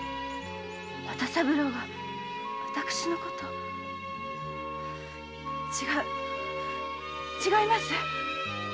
又三郎が私のことを違う違います。